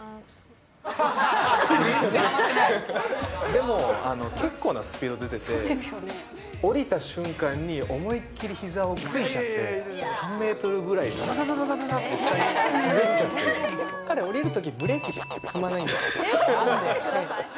でも、結構なスピード出てて、降りた瞬間に、思いっ切りひざをついちゃって、３メートルぐらい、ずざざざざっ彼、降りるとき、ブレーキ踏まないんです。